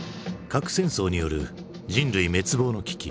核戦争による人類滅亡の危機。